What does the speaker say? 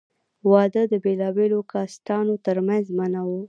واده د بېلابېلو کاسټانو تر منځ منع وو.